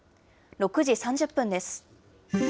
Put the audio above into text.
６時３０分です。